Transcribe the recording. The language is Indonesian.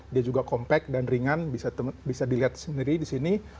dia juga compact dan ringan bisa dilihat sendiri di sini